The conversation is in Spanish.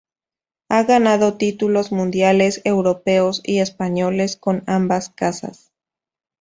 Ha ganado títulos mundiales, europeos y españoles con ambas casas.